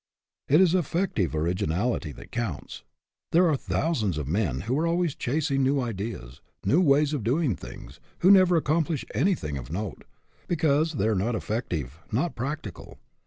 It is effective originality that counts. There are thousands of men who are always chasing new ideas, new ways of doing things, who never accomplish anything of note, because they are not effective, not practical.